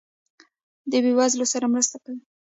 د بې وزلو سره مرسته کوئ؟